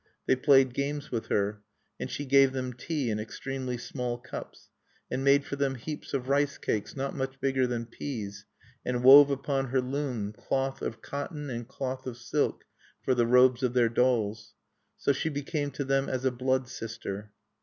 They played games with her; and she gave them tea in extremely small cups, and made for them heaps of rice cakes not much bigger than peas, and wove upon her loom cloth of cotton and cloth of silk for the robes of their dolls. So she became to them as a blood sister.